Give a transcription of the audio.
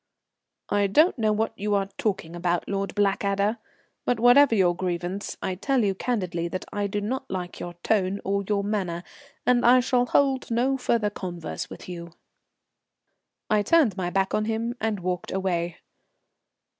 "I don't know what you are talking about, Lord Blackadder, but whatever your grievance I tell you candidly that I do not like your tone or your manner, and I shall hold no further converse with you." I turned my back on him and walked away.